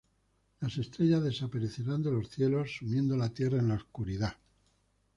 Las estrellas desaparecerán de los cielos, sumiendo la tierra en la oscuridad.